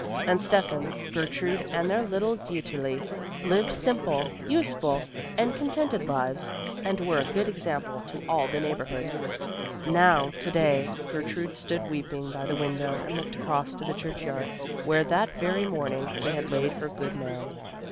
And Steffan, Gertrude and their little Dieterli lived simple, useful and contented lives and were a good example to all the neighborhood. Now, to day, Gertrude stood weeping by the window and looked across to the church yard, where that very morning they had laid her good man.